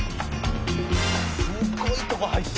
「すごいとこ入って」